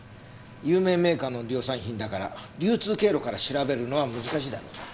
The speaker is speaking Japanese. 有名メーカーの量産品だから流通経路から調べるのは難しいだろうな。